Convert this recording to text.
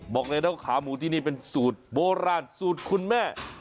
บอกเลยนะว่าขาหมูที่นี่เป็นสูตรโบราณสูตรคุณแม่